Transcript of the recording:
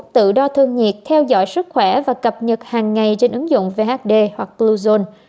tự đo thân nhiệt theo dõi sức khỏe và cập nhật hàng ngày trên ứng dụng vhd hoặc bluezone